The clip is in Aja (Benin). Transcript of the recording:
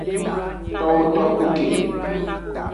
Towo toxu ke.